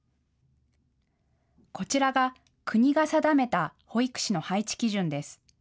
こちらが国が定めた保育士の配置基準です。